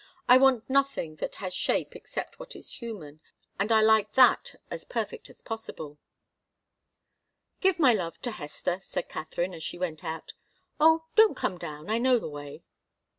I want nothing that has shape except what is human, and I like that as perfect as possible." "Give my love to Hester," said Katharine, as she went out. "Oh, don't come down; I know the way."